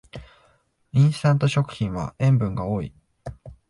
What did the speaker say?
インスタント食品は塩分が多い